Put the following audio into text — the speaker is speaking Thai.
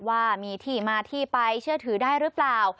ว่ามีที่มาที่ไปเชื่อถือได้หรือเปล่า